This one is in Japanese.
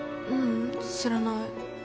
ううん知らない